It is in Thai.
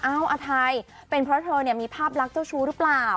อ้าวอาทัยเป็นเพราะว่าเธอมีภาพรักเจ้าชู้หรือเปล่า